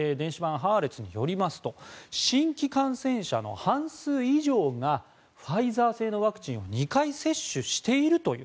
ハアレツによりますと新規感染者の半数以上がファイザー製のワクチンを２回接種しているという。